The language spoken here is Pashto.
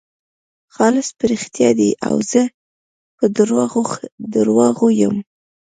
خالص په رښتیا دی او زه په درواغو یم.